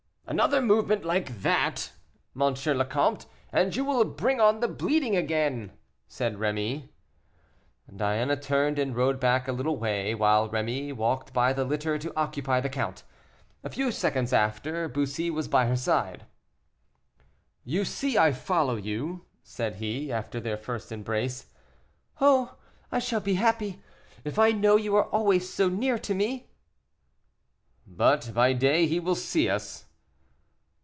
"Another movement like that, M. le Comte, and you will bring on the bleeding again," said Rémy. Diana turned and rode back a little way, while Rémy walked by the litter to occupy the count. A few seconds after, Bussy was by her side. "You see I follow you," said he, after their first embrace. "Oh! I shall be happy, if I know you are always so near to me." "But by day he will see us."